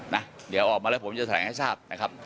นี่ครับ